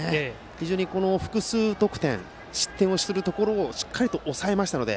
非常に複数得点失点をするところをしっかり抑えましたので。